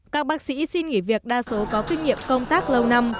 các bác sĩ xin nghỉ việc đa số có kinh nghiệm công tác lâu năm